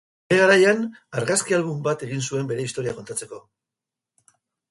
Bere garaian argazki album bat egin zuen bere historia kontatzeko.